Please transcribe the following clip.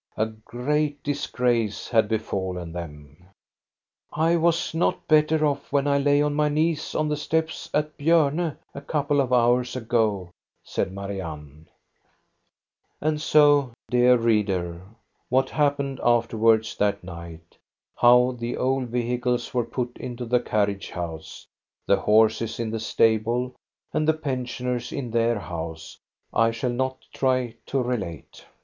A great disgrace had befallen them. I was not better off when I lay on my knees on the steps at Bjorne a couple of hours ago," said Marianne. And so, dear reader, what happened afterwards that night — how the old vehicles were put into the carriage house, the horses in the stable, and the pen sioners in their house — I shall not try to relate.